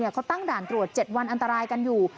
เขาตั้งด่านตรวจ๗วันอันตรายกันอยู่